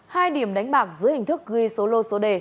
hai điểm đánh bạc dưới hình thức ghi số lô số đề